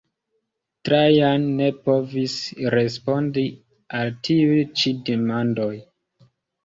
Trajan ne povis respondi al tiuj ĉi demandoj.